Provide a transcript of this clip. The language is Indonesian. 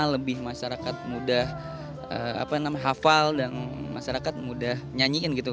lebih masyarakat mudah hafal dan masyarakat mudah nyanyiin gitu